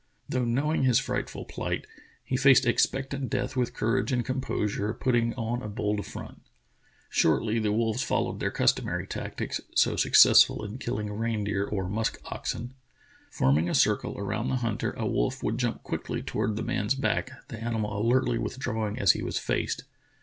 Though knowing his frightful plight, he faced expectant death with courage and composure, putting on a bold front. Shortly the wolves followed their customary tactics, so successful in killing reindeer or musk oxen. Forming a circle around the hunter, a wolf would jump quickly toward the man's back, the animal alertly withdrawing as he was faced.